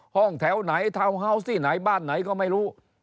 ห้องแถวไหนทาวน์เฮาส์ที่ไหนบ้านไหนก็ไม่รู้